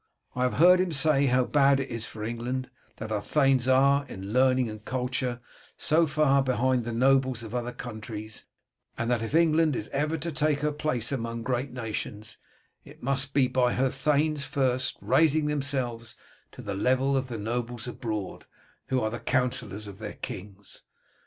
I have heard him say how bad it is for England that our thanes are, in learning and culture, so far behind the nobles of other countries, and that if England is ever to take her place among great nations it must be by her thanes first raising themselves to the level of the nobles abroad, who are the counsellors of their kings.